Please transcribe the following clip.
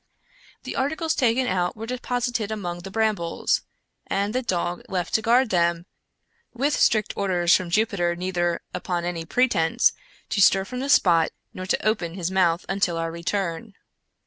The articles taken out were deposited among the brambles, and the dog left to guard them, with strict orders from Jupiter neither, upon any pretense, to stir from the spot, nor to open his mouth until our return.